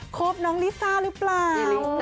บน้องลิซ่าหรือเปล่า